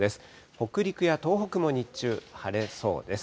北陸や東北も日中、晴れそうです。